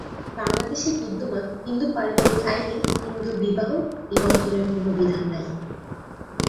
বাংলাদেশে বিদ্যমান হিন্দু পারিবারিক আইনে হিন্দু বিবাহ নিবন্ধনের কোন বিধান নাই।